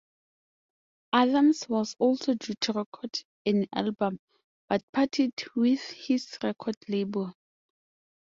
Adams was also due to record an album but parted with his record label.